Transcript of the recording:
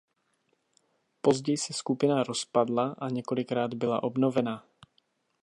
Později se skupina rozpadla a několikrát byla obnovena.